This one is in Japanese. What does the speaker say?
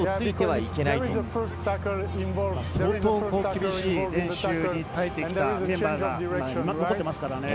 相当、厳しい練習に耐えてきたメンバーが今、いますからね。